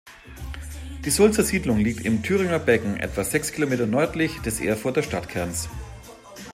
Die Sulzer Siedlung liegt im Thüringer Becken etwa sechs Kilometer nördlich des Erfurter Stadtkerns.